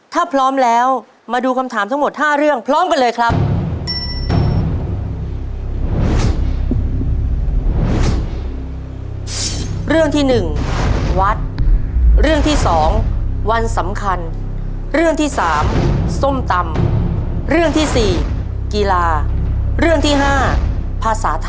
ถ้าพร้อมแล้วมาดูคำถามทั้งหมด๕เรื่องพร้อมกันเลยครับ